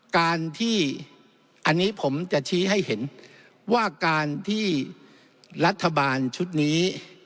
การที่อันนี้ผมจะชี้ให้เห็นว่าการที่รัฐบาลชุดนี้